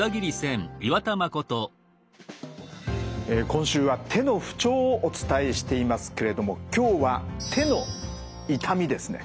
今週は手の不調をお伝えしていますけれども今日は手の痛みですね。